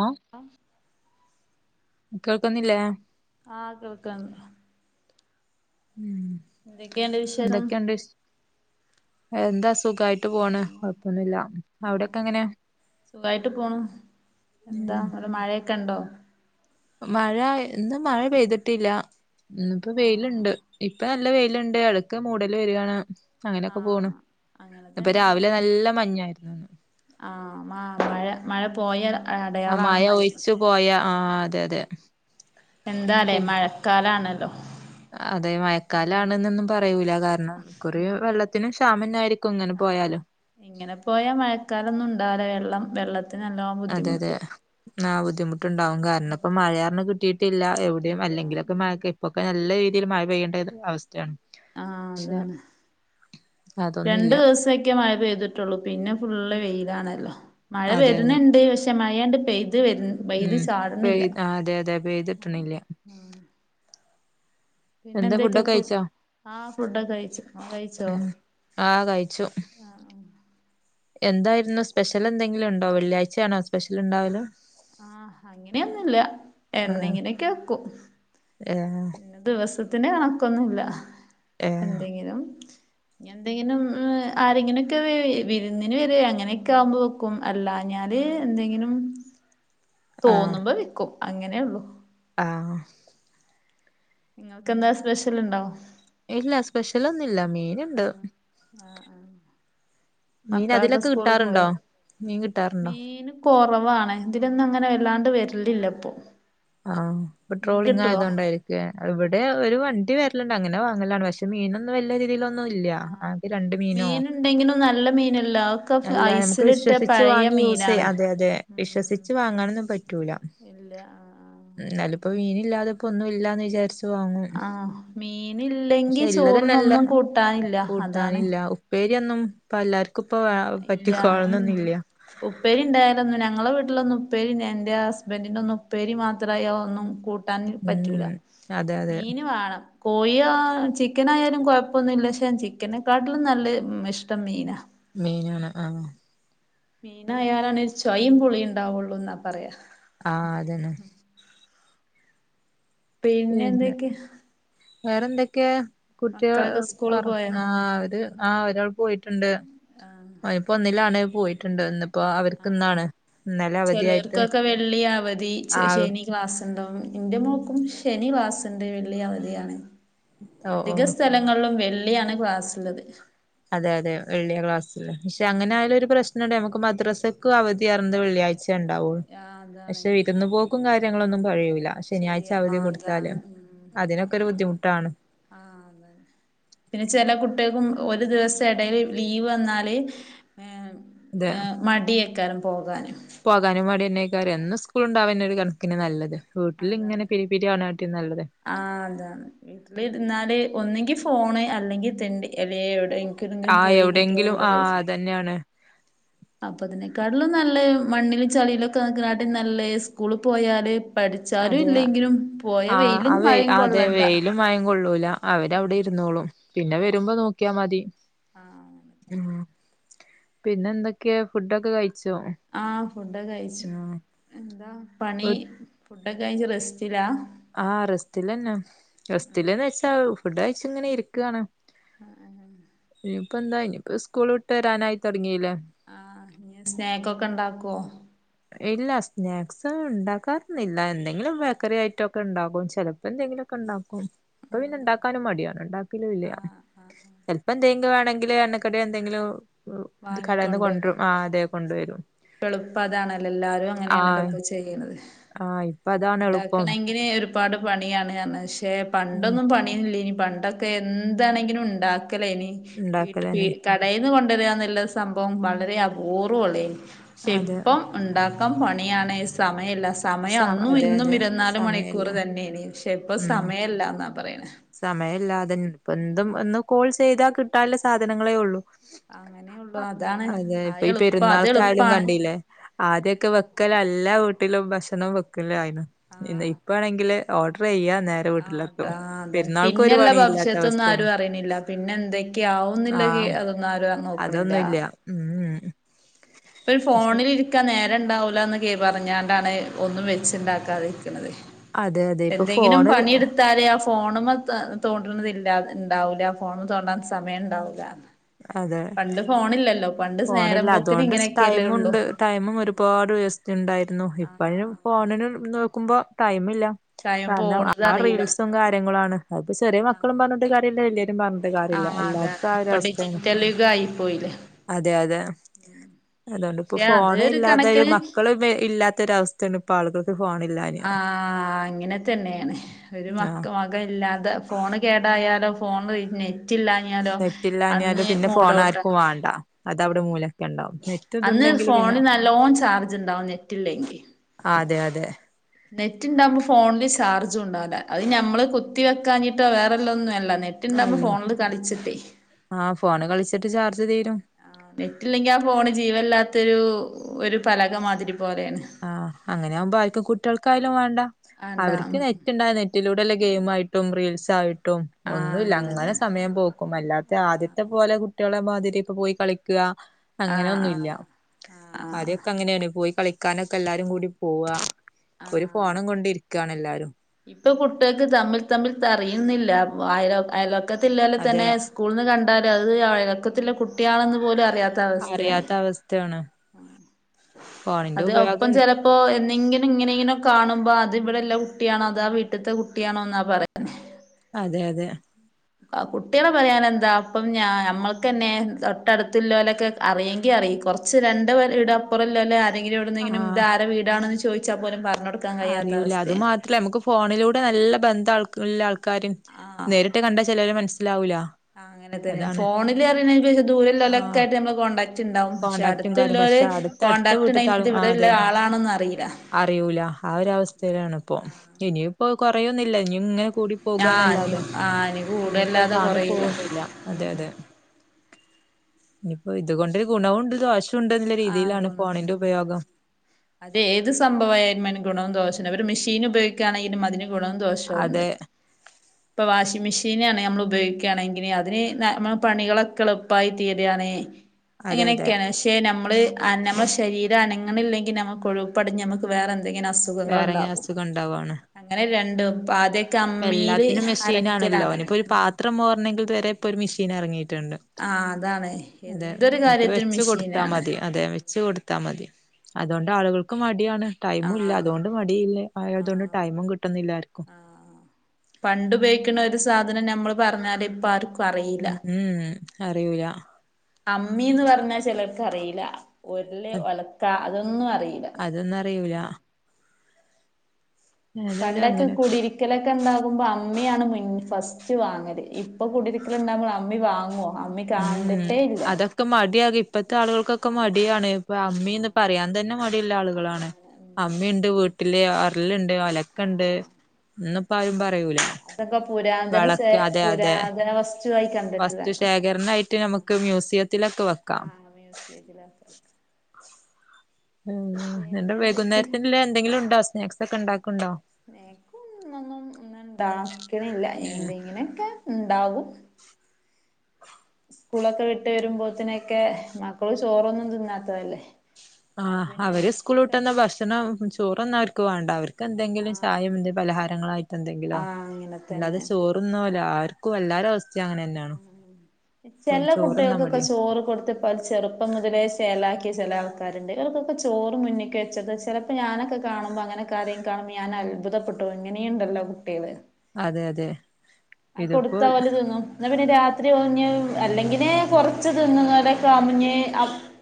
ആഹ് ആ കേൾക്കുന്നില്ലേ ആ കേൾക്കാന്നൊണ്ട് ഉം എന്തൊക്കെയൊണ്ട് വിശേഷം എന്തൊക്കെയുണ്ട് വിശ് എന്താ സുഖായിട്ട് പോണ് കൊഴപ്പൊന്നുമില്ല അവിടെക്കെ എങ്ങനെയാ സുഖായിട്ട് പോണു എന്താ അവിടെ മഴയൊക്കെ ഉണ്ടോ മഴ ഇന്ന് മഴ പെയ്തിട്ടില്ല ഇന്നിപ്പോ ആഹ് വെയിലുണ്ട് ഇപ്പോ നല്ല വെയിലുണ്ട് അടുക്കെ മൂടൽ വരികയാണ് അങ്ങനെയൊക്കെ പോണ് ആഹ് അങ്ങനെ ഇപ്പൊ രാവിലെ നല്ല മഞ്ഞായിരുന്നുന്ന് ആ ആ മഴ മഴ പോയാ ആ മഴ ഒലിച്ചു പോയ ആ അതെ അതെ എന്താലേ ശരി മഴക്കാലാണ് അതെ മഴക്കാലാണെന്നൊന്നും പറയൂല കാരണം കുറേ വെള്ളത്തിനും ശ്യാമംഅന്നേ ആയിരിക്കും ആ ഇങ്ങനെ പോയാ മഴക്കാലൊന്നും ഉണ്ടാതെ വെള്ളം വെള്ളത്തി ത്തിന് നല്ലോണം അതെ അതെ ബുദ്ധിമുട്ടും ആ ബുദ്ധിമുട്ടുണ്ടാവും കാരണം ഇപ്പോ മഴഅങ്ങനെ കിട്ടിയിട്ടില്ല എവിടെയും ഇല്ല അല്ലെങ്കിലൊക്കെ ഉം മഴക്കെ ഇപ്പോക്കെ നല്ല ഇതിലും മഴ പെയ്യേണ്ട ഒരു അവസ്ഥയാണ് ആ പക്ഷെ അതാണ് അതൊന്നും ഇല്ല രണ്ടു ദിവസക്കെ മഴ പെയ്തിട്ടുള്ളൂ പിന്നെ ഫുള്ള് വെയിലാണ് മഴ അതെ അതെ വരുന്നുണ്ട് പക്ഷെ മഴയാണ്ട് പെയ്തി പെയ്ത് വരു പെയ്ത് ഉം പെയ് ചാറുന്നില്ല ആ, അതെ അതെ ഉം പെയ്തിട്ടണില്ല ഉം പിന്നെ എന്താ എന്തൊക്കെ ഫുഡൊക്കെ ഫു കഴിച്ചോ ആ ഫുഡൊക്കെ കഴിച്ചു നിങ്ങള് കഴിച്ചോ ഉം ആ കഴിച്ചു ആഹ് എന്തായിരുന്നു സ്പെഷ്യല് എന്തെങ്കിലും ഉണ്ടോ വെള്ളിയാഴ്ച്ച യാണോ സ്പെഷ്യൽ ഉണ്ടാവല് ആ അങ്ങനെയൊന്നുമില്ല ആ എന്തെങ്കിലും ഒക്കെ ആക്കും ഏ പിന്നെ ദിവസത്തിന്റെ കണക്കൊന്നുമില്ല ഏ എന്തെങ്കിലും എന്തെങ്കിലും ആരെങ്ങനെയൊക്കെ വിരുന്നിന് വരുകയോ അങ്ങനെയെക്കെ ആവുമ്പോ വെക്കും അല്ലാഞ്ഞ ഞ്ഞാല് എന്തെങ്കിലും ആ തോന്നുമ്പോ വെക്കും അങ്ങനെയുള്ളു ആ നിങ്ങൾക്ക് എന്താ സ്പെഷ്യല് ഉണ്ടോ ഇല്ല സ്പെഷ്യൽ ഒന്നുമില്ല ആ ആ ആ മീൻ മക്കളെക്കെ അതിലൊക്കെ സ്കൂളി പോയോ കിട്ടാറുണ്ടോ മീൻ കിട്ടാറുണ്ടോ മീന് കൊറവാ വാണ് ഇതിലൊന്നും അങ്ങനെ വല്ലാണ്ട് വരലില്ല ഇപ്പൊ ആ ഇപ്പോ നിങ്ങക്ക് ട്രോളിംഗ് കിട്ടുവോ ആയതു കൊണ്ടായിരിക്കും എല്ലേ ഇവിടെ ഒരു വണ്ടി വര നെ അങ്ങാണ്െ മീന രീതിൽ അ ന യ ആഹ് മീനുണ്ടെങ്കിലും നല്ല മീനല്ല ഒക്കെ ഐസിലിട്ട പഴയ മീനാണ് അതെ അതെ ഉം വിശ്സിച്ച് വാങ്ങണം ഇല്ല ആഹ ആഹ എന്നാല ഇപ്പോ മീന ഇില്ലാത ഇപ്പോൊ ഒന്ന ഇല്ലാന്ന് വിചാരിച്ചു വങ്ങും ആഹ് ആഹ് പക്ഷെ മീനില്ലെങ്കി ഇല്ലതന്നെല്ല ചോറിനൊന്നും കൂട്ടാനില്ല അതാണ് കൂട്ടാനില്ല ഉപ്പേ എന്നും പലർും ഇല്ല ഉ ഉപ്പേരി ഇണ്ടായാലൊന്നു ഞങ്ങളെ ന്നും പ എന്റെ ഹസ്ബൻഡറിന്റെ ഒന്നും പേരി മാത്രമായി ഒന്ന കൂട്ട കട്ടാന പറ്റൂല ഉം അതെ അതെ മീന് വേണം കോഴ ചിക്കനായാലും കുഴപ്പൊന്നുംില്ല പക്ഷെ ചിക്കനെക്കാട്ടിലും നല്ല ഇഷ്ടം മീനാ മെയിന ആാണ് ആഹ മീനായയാലാണ് ചവൈയും പുൊളി ഉണ്ടാവുള്ളൂ എന്നാ പറയാ ആഹ അതന്നെ പിന്നെ എന്തൊക്കെയ വേറെന്തൊക്കെയാ കുട്ടികൾ മക്കളൊക്കെ സ്കൂള് പറ പോയാ ആ അവര് ആഹ ഒരാൾ പോയിട്ടുണ്ട് ഇപ്പൊ ഒന്നിലാണ് പോയിട്ടുണ്ട് ഒന്ന് ആഹ ചിലർക്കൊക്കെ വെള്ളിയ മതി ആ ശനി ക്ലാസ് എന്റെ മോക്കും ശനിവാാസിന്റെ വെള്ളി അവധിയാണ് ഓ ഓ അധിക സ്ഥലങ്ങളിലും വെള്ളിയാണ് ക്ലാസ്ള്ളത് അതെ അതെ വെള്ളിയ ക്ലാസ്സ പക്ഷെ അങ്ങനെ ആഹ് ആയാലും ഒരു പ്രശ്നംണ്ട് നമുക്ക് മദ്രാസക്കും അവധിിയറത് വെള്ളിയാഴ്ച ഉണ്ടാവൂ ആ അതാണ് പക്ഷെ ഇട്ടന്ന് പോക്കും കാര്യ നിങ്ങളൊന്നും കഴിവൂല്ല ശനിയാഴ്ച ശരിയാ അവധി ആഹ് അതാണ് കൊടുത്താലും അതിനൊക്കെ ഒരു ബുദ്ധിമുട്ടാണ് ആഹ അതെെ പിന്നെ ചെില കുട്ടികൾക്കും ഒരു ദിവസം ഇടയിൽ ലീവ് വന്നാല് ഏ അതെ ഏ മടിയെക്കാലും പോകാനും പോകാനും വാടിന്നെ കാര്യ എന്നും സ്കൂള ഉണ്ടാവന്ന ഒരു കണക്കിന് നല്ലത് വീട്ടിൽ ഇങ്ങനെ അതാണ് പിരി പിരി ആവണാട്ടിലും നല്ലത് ആഹ അതാണ് വീട്ടില്രാല് ഒന്നെങ്കിൽ ഫോണ് അല്ലെങ്കിൽ തണ്ടി അല്ല എവിടെ എനിക്ക ആ എന്തെങ്കിലും പോയി കുട്ടികൾ എവിടെയെങ്കിലും കൂടെ ആ കഴിച്ച അതന്നെയാണ്. അപ്പൊ അതിനെക്കാട്ടിലും നല്ല മണ്ണില്ും ചളിയിലുംൊക്കെ നക്കട്ട നല്ല സ്കൂള പോയാല് പഠിച്ചാലും അതെ ഇല്ലെങ്കിലും പോയ ആ ആ വെയിലും മഴയും കൊള്ളണ്ട അവര്വിടെ ഇരുന്നോളും പിന്നെ വരുമ്പോ നോക്കിയാൽ മതി ആഹ അന തന്നെ ഉം പിന്നെ എന്തൊക്കെയാ ഫുഡൊക്കെ കഴ ആഹ ഫുഡൊക്കെ അയിച്ചു എന്താ പണി വീ- ഒ കഴഞ് റെസ്റ്റിലാ ആ റെസ്റ്റിലന്നെ ഫടാഴ്ച ഇങ്ങനെ ഇരിക്കുകയാണ് ആഹ് ആഹ് അപ്പോൾ എന്ത ഇപ്പോൾ സ്കൂള വിട്ട് വരാനായി തുടങ്ങിയില്ലേ ആഹ് ഇ സ്നക്ക്ൊക്കെ ഇണ്ടാക്കുവോ ഇല്ല സ്നാക്സ് ഉണ്ടാക്കാറുന്നില്ല എന്തെങ്കിലും ബേക്കറി ഐറ്റം ഒക്കെ ഉണ്ടാകും ചിലപ്പോൾ എന്തെങ്കിലുമൊക്കെ ഉണ്ടാകും ഇപ്പൊ പിന്നെ ഇണ്ടാക്കാനും മടിയാണ് ഉണ്ടാക്കലും ഇല്ല ചിലപ്പോ എന്ത വേണെങ്കിൽ എണ്ണക്കട എന്തെങ്കിലും കടന്ന് കൊണ്ട ആ അതെ കൊണ്ടുവരും ചല അ അതാണല്ലോ എല്ലാരും ആ അങ്ങനെയാണല്ലോ ഇപ്പ ചെയ്യണത് ആ ഇപ്പ അതാണ് എളുപ്പം ഉണ്ടാക്കണമെങ്ക ഒരുപാട് പണിയാണ് കാര പക്ഷെ ഉം പണ്ടൊന്നും പണിയന്നില്ല ഇനി പണ്ടൊക്കെ എന്താണെങ്കിലും ഉണ്ടാക്ക ക്കല്ലേ ഇനി വീട്ട ഉണ്ടാക്കലന്നെ കടയിൽ നിന്ന് കൊണ്ടരി എന്നല്ല സംഭവം വളരെ അപൂർവ്വംള്ളേനി ശക്ഷെ അതെ ഇപ്പം ഉണ്ടാക്കൻ പണിയാണ് സമയമല്ല സ സമയം അന്നും അതെ ഇന്നും അതെ ഇരനാല് മണിക്കൂർ സമയല്ല തന്നെയാണ് പക്ഷെ ഇപ്പ സമയമല്ല എന്ന സമയമല്ലാതന്ന ഇപ്പ എന്തും ഒന്ന് കോൾ ചെയ്താ കിട്ടല്ല സാധനങ്ങളേ ഉള്ളൂ അങ്ങനെയുള്ളു അതാണ് അതെ ആ ഇപ്പൊ എളുപ്പം അത് പെരുന്നാൾക്കായാലും എളുപ്പാണ് കണ്ടല്ലേ ആദ്യൊക്കെ വെക്ക [unintelligible] വീട്ടിലോ ഭക്ഷണോ വെക്കല് ആയിന് ആ എന്ന് ഇപ്പാണെങ്കില് ഓർഡർ ചെയ്യാ നേരെ വീട്ടിലാക്കും ട്ടാ ആ അതെ പിന്നെല്ലാ ഭവിഷ്യത്തൊന്നും ആരും അറിയണില്ലാ പിന്നെ എന്തൊക്കെയവുന്നില്ലാ അതൊന്നും ആ അതൊന്നൂല്ലാ ഉം ഇപ്പൊ ഫോണിലിരിക്കാൻ നേരം ഇണ്ടാവൂലാന്ന് കേ പറഞ്ഞാണ്ടാണ് ഒന്നും വെച്ചിണ്ടാക്കാതെ അതെ അതെ ഇപ്പൊ എന്തെങ്കിലും ഫോണ് പണിയെടുത്താലേ ഫോണുമാ തോ തോണ്ടണത് ഇണ്ടാവൂലാ ഫോണില് തോണ്ടാൻ സമയം ഇണ്ടാവില്ലാ അതെ പണ്ട് ഫോണില്ലല്ലോ പണ്ട് നേരം ഫോണില്ല പോക്കിന് അതുകൊണ്ട് ഇങ്ങനെ ടൈമുണ്ട് ടൈമും ഒരുപാട് വ്യവസ്ഥിണ്ടായിരുന്നൂ ഇപ്പോഴും ഫോണിന് നോക്കുമ്പോ ടൈമില്ലാ ടൈം കാരണം പോണത് ആ അറിയില്ല റീൽസും കാര്യങ്ങളുമാണ് അതിപ്പോ ചെറിയ മക്കളും പറഞ്ഞിട്ട് കാര്യല്ല [unintelligible] പറഞ്ഞിട്ട് ആ കാര്യില്ലാ അതാണ് എല്ലാവർക്കും ആ ഇപ്പൊ ഒരവസ്ഥയാണ് ഡിജിറ്റൽ യുഗായി പോയില്ലേ അതെ അതെ അതുകൊണ്ട് ഇപ്പോ പക്ഷെ അത് ഫോണ് ഒരു ഇല്ലാതൊരു കണക്കിന് മക്കളും ഇല്ലാത്ത അവസ്ഥാണ് ഇപ്പ ആ അങ്ങനെ തന്നെയാണ് ഒരു മക്ക ആഹ് മകൻ ഇല്ലാതെ ഫോണ് കേടായ [unintelligible] ഫോൺ റിംങ്ങ് ചെയ്യും [unintelligible] നെറ്റില്ലാഞ്ഞാല് അന്ന് പിന്നെ ഫോൺ മൂടൗട്ടാ ആർക്കും വാണ്ട അതവിടെ മൂലൊക്കെ ഉണ്ടാവും നെറ്റ് അന്ന് ഇതുണ്ടെങ്കില് പിന്നെ ഫോണ് നല്ലോണം ചാർജ് ഇണ്ടാവും നെറ്റില്ലെങ്കി അതെ അതെ ഫോണിൽ ചാർജും ഉണ്ടാവില്ല അത് ഞമ്മള് കുത്തി വെക്കാഞ്ഞിട്ടോ വേറെല്ലാം ഒന്നും അല്ലാ നെറ്റിണ്ടാവുമ്പോ അല്ല ഫോണില് കളിച്ചിട്ടേ ആഹ് ഫോണ് കളിച്ച ആ നെറ്റില്ലെങ്കി ആ ഫോണ് ജീവനില്ലാത്തൊരു ഒരു പലക മാതിരി പോലെയാണ് ആ അങ്ങനെ ആകുമ്പോ ആർക്കും കുട്ടികൾക്കായാലും വേണ്ടാ ആണ്ടാ അവർക്ക് ഉം നെറ്റ് ഇണ്ടാ നെറ്റിലൂടല്ലേ ഗെയിമ ട്ടായിട്ടും റീൽസായിട്ടും ആഹ് ഒന്നൂല്ലാ അങ്ങനെ തന്നെ സമയം പോക്കും അല്ലാ ആദ്യത്തെ പോലെ കുട്ടികളെ മാതിരി ഇപ്പ പോയി കളിക്കുക ആഹ് അങ്ങനൊന്നൂല്ലാ ആഹ് ആഹ് ആദ്യൊക്കെ അങ്ങനെയാണ് പോയി ക്കാനൊക്കെ എല്ലാരും കൂടി പോവാ ആഹ് ഒരു ആഹ് ഫോണും കൊണ്ടിരിക്കാണ് എല്ലാരും ഇപ്പൊ കുട്ടികൾക്ക് തമ്മിൽ തമ്മില് അറിയുന്നില്ലാ അയൽവക്കം അയൽ ക്കത്തില്ലാലെ അത് തന്നെ സ്കൂളീന്ന് കണ്ടാലും അത് അയലക്കത്തിലുള്ള കുട്ടിയാണെന്ന് പോലും അറിയാ യാത്ത അവസ്ഥയാണ് അറിയാത്ത അവസ്ഥയാണ് ഫോണിന്റെ അത് ഒപ്പം ഉപയോഗം ചെലപ്പോ എന്തെങ്കിലും ഇങ്ങനെ ഇങ്ങനെ കാണുമ്പോ അത് ഇവിടെ ഇള്ള കുട്ടിയാണോ അതാ വീട്ടിലത്തെ കുട്ടിയാണോ എന്നാ പറയാ അതെ അതെ കുട്ടികളെ പറയാന എന്താ അപ്പം ഞാ ഞമ്മൾക്കന്നെ തൊട്ടടുത്തുലുലൊക്കെ അറിയെങ്കി അറി കൊറച്ച് രണ്ട് വീട് അപ്പുറല്ലേ ആരെങ്കിലും എവിടെങ്കിലും ഇതാര വീടാണന്ന് ചോദിച്ചാ പോലും പറ അറിയൂലാ അതു മാത്രല്ലാ നമുക്ക് ഫോണിലൂടെ നല്ല ബന്ധാ [unintelligible] ആൾക്കാരും നേരിട്ട് കണ്ടാ ചെലവര് മനസ്സി ആ അങ്ങനെ തന്നെ ഫോണില് അറിയുന്ന ആഹ് ദൂരൊള്ളാമായിട്ട് നമ്മള് കോണ്ടടാക്ട് ണ്ടാവും പക്ഷെ കോണ്ടാക്റ്റും കാര്യം അടുത്തുള്ളോര് പക്ഷെ അടുത്ത അടുത്ത കോണ്ടടാക്ട് [unintelligible] [unintelligible] ഇവിടെയുള്ള ആളാണെന്ന് അറിയില്ലാ അറിയൂലാ ആ ഒരു അവസ്ഥയിലാണിപ്പോ ഇനി ഇപ്പോ കൊറയൊന്നില്ലാ ഇനി ഇങ്ങനെ കൂടി ആഹ് ഇനി പോകാന്നല്ലാതെ ആഹ് ഇനി ഇനിയിപ്പോ കൂടല്ലാതെ താന്നു കൊറയൂല പോന്നില്ലാ അതെ അതെ ഇനിപ്പോ ഇതുകൊണ്ടൊരു ഗുണവുമുണ്ട് ദോ ആ ഗുണ അത് ഏത് സംഭവായാലും ഗുണവും ദോഷം [unintelligible] മെഷീൻ ഉപയോഗിക്കുകയാണെങ്കിലും അതിന് ഗുണവും ദോഷവുമുണ്ട് അതെ ഇപ്പൊ വാഷിംഗ് മെഷീനാണ് നമ്മള് ഉപയോഗിക്കുകയാണെങ്കില് അതില് പണികളൊക്കെ എളുപ്പമായി തീരുകയാണ് അതെ അതെ അങ്ങനെയൊക്കെയാണ് പക്ഷെ നമ്മള് നമ്മളെ ശരീരം അനങ്ങി അനങ്ങളില്ലെങ്കി നമക്ക് കൊഴുപ്പടിഞ്ഞ് നമുക്ക് വേറെ എന്തെങ്കിലും അസുഖങ്ങള് വേറെങ്ങനെ ഇണ്ടാകും അസുഖം ഉണ്ടാവാണ് അങ്ങനെ ആദ്യൊക്കെ അമ്മീല് [unintelligible] ആണല്ലോ അരക്കലാണല്ലോ അവനിപ്പോ ഒരു ഉം പത്രം മോറണെങ്കിൽ വരെ ഇപ്പോ ഒരു മിഷീൻ ഇറങ്ങീട്ട് ണ്ട് ആഹ് അതാണ് അതെ എന്തൊരു ഇപ്പ കാര്യത്തിനും വെച്ച് കൊടുത്താ മെഷീനാണ് മതി അതെ വെച്ച് കൊടുത്താ മതി അതുകൊണ്ട് ആളുകൾക്ക് മടി യാണ് ടൈംമും ഇല്ല ആന്ന് അതുകൊണ്ട് മടി ആയതുകൊണ്ട് ആഹ് ടൈംമും കിട്ടാനില്ല ആർക്കും പണ്ടുപയ്ക്കണ ഒരു സാധനം നമ്മള് പറഞ്ഞാല് ഇപ്പ ആർക്കും അറിയില്ല ഉ ഉം അറിയൂല അമ്മീന്ന് പറഞ്ഞാ ചെലർക്ക റീല ഉര്ളിഒലക്ക അതൊന്നുറിയുല പണ്ടൊക്കെ അങ്ങനെയൊക്കെ കുടിരിക്കലൊക്ക ണ്ടാകുമ്പോ അമ്മിയാണ് 'ഫസ്റ്റ് റ്റവാങ്ങല് ഇപ്പൊ കുടരിക്കലുണ്ടാകുമ്പള്അമ്മി വാങ്വവാങ്ങാ അമ്മി കണ്ടിട്ടേ ഇല്ല ഇ ആളുകൾക്കൊക്കെ ആഹ് മടിയാണ് ത്തളുകൾക്കൊ മടിയാണ്ഇ-പ്പൊ അമ്മിന്ന് ആഹ് പറയാൻ തന്നെ മടിള്ള ആളുകളാണ് അതാണ് ഉം അമ്മിയുണ്ട് വീ വീട്ടില് അറളുണ്ട് അലക്കുണ്ട് ആഹ് എന്നപ്പയും പറ യൂല അതൊക്കെ പുരാതന സേ വളക്ക് അതെ അതെ പുരാതന വസ്തുവായി വസ്തു കണ്ടിട്ടില്ലാർക്കിപ്പൊ ശേഖരണായിട്ട് നമുക്ക് മ്യൂസിയത്തിലൊക്കെ വെക്കാം ആഹ് മ്യൂസിയത്തിലൊക്കെ ആനിന്റെ പിന്നെ എന്തൊക്കെ വൈകുന്നേരത്തി എന്തെങ്കിലും ഉണ്ടോ സ്നാക്സ് ഒക്കെ ഉണ്ടാക്കോ സ്നേകൊന്നുംന്നും ഒും ഉണ്ടാക്കണില്ല എന്തെ ഇങ്ങനെയൊക്കെ ഉണ്ടാകും സ്കൂളൊക്കെ വിട്ട് വരുമ്പോത്തിനൊക്കെ മക്കള് ചോറൊന്നും തിന്നാത്തതല്ലേ അപ്പൊ പിന്നെ ആഅവര് സ്കൂൾ എന്തെങ്കിലൊക്കെ വിട്ടന്ന ഇണ്ടാവും ഭക്ഷണം േ ചോ തൊഎനന്നും അവർക്ക് വേണ്ട അവർക്ക് എന്തെങ്കിലും ആഹ് ചായി എന്തെപലഹാരങ്ങളായിട്ട് എന്തെങ്കിലോ ആഹ് അങ്ങനെ അല്ലാതെ തന്നെയാണ് ചോറുന പോലെ ആും വല്ലാരരസ്ഥ ല ' ചോറുണ്ണാൻ കുട്ടികൾക്കൊക്കെ മടിയാ ചോറ് കൊടുത്ത്പ്പ ചെറുപ്പം മുതലേ ശേലാക്കി ചില ആൾക്കാരുണ്ട് ഇവർക്കൊെ ട് ചെല ആൾക്കാര്ണ്ട് ല് ചെലാൻ ക്കാരുണ്ട് ഇവർക്കൊകെ'ചോറ് മുന്തക്ക് വെച്ചത് ചെലപ്പോ ഞാനൊക്കെ കാ'ണമ്പോ ഞാനട അങ്ങനെക്കെ കും കാുമ്പോഞൻ അത്ഭുതപ്പെട്ടോ വും ഇങ്ങനയ്ണ്ടല്ലോ കുട്ട്യേള് അതെ അതെ അകൊടുത്ത ഇതിപ്പോ ഒല് തിന്നും എന്ന പിന്നെ രാത്രി ഒഞ്ഞ് അല്ലെങ്കില് കുറച്ച് തിന് അമഞ്ഞ്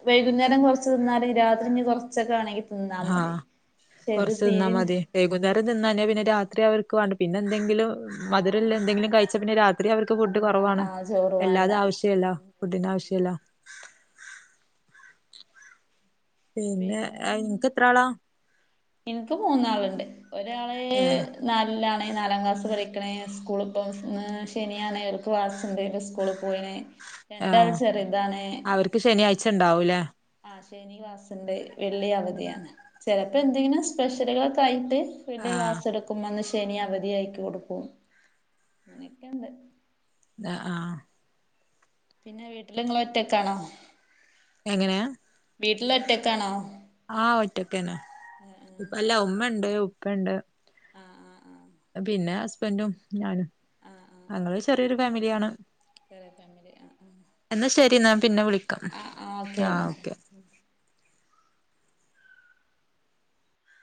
വൈകുന്നേരം കുറച്ച് തിന്നാല രാത്രി ഞഞ്ഞ് കൊറച്ചൊക്കെ ആണെങ്കിലു ആകൊറച്ച് നിന്നാ മതി വൈകുന്നേരം തിന്ന ഞാ പിന്നെ രാത്രി അവർ കുവാണ്ട് പിന്നെ ന്തെങ്കിലും ആഹ് മധുരല്ല ന്തെങ്കിലും കഴിച്ച പിന്നെ രാത്രി അവർക്ക് ഫുഡ് അന്ന് വാ കുറവാണ് ആഹ് ചോറ് വാണ്ട എല്ലാതും ആവശ്യല്ല ഫുഡിൻ്റെ ആവശ്യല്ല പിന്നെ ഇൻക്ക് എത്രാളാ ഇൻക്ക് മൂന്നാള്ണ്ട് ഒരാള് ഏഹ് നാലിലാണ് ന് നാലാം ക്ലാസ് പഠിക്കണ് സ്കൂളിപ്പം സെറ ' രണ്ടാഴ ആഹ് ചറ ഇതാണ് അവർക്ക് ശനിയാഴ്ച ഉണ്ടാവൂല്ലേ ആശേനി ക്ലാസിന്റെ വെള്ളി പക്ഷെ നി ക്ലാസി ണ്ട് വെളളഅവധിയാണ് ചിലപ്പോ 'എന്തെങ്കിലും സ്പെഷ്യലുകളൊക്കാ യിട്ട് വീനി ആഹ് ക്ാസ് എടുക്കും മനുഷ് ശനി അവധിയ ആയിക്കി കൊടുക്കും അങ്ങനെയൊക്കെുണ്ട് ആഹ ആഹ പിന്നെ വീട്ടിലിങ്ങ ളൊറ്റക്കാണോ എങ്ങനെ വീട്ടിലൊറ്റക്കാണോ ആഹ് ഒറ്റക്കേന്ന അല്ല ഉമ്മ ണ്ട് ഉപ്പ ണ്ട് ആ ആ ആ പിന്നെ ഹസ്ബൻറും ഞാനും ആ ആ ആ അങ്ങെ ള്ചെറിയൊരു ഫാമിലിയാണ് ആ എന്നാ ശരി ന്നാൻ പിന്നെ വിളിക്കാം ആ ആ ആ ' എന്നാ ഓക്കെ [inaudible]